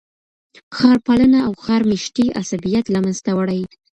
ښار پالنه او ښار میشتي عصبیت له منځه وړي.